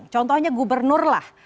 contohnya gubernur lah